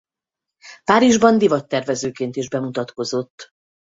Párizsban divattervezőként is bemutatkozott.